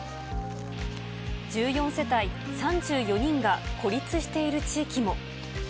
１４世帯３４人が孤立している地域も。